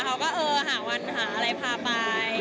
เขาก็เออหาวันหาอะไรพาไป